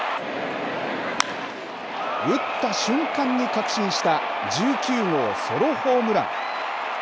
打った瞬間に確信した、１９号ソロホームラン。